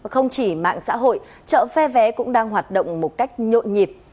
không chỉ mạng xã hội chợ phe vé cũng đang hoạt động một cách nhộn nhịp